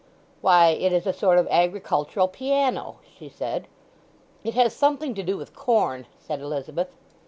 "Why, it is a sort of agricultural piano," she said. "It has something to do with corn," said Elizabeth.